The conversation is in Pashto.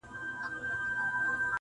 په باچايۍ باندې سوره د غم خانى راغله